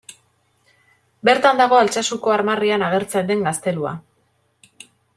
Bertan dago Altsasuko armarrian agertzen den gaztelua.